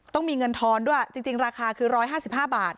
ต้องมีเงินทอนด้วยจริงราคาคือ๑๕๕บาท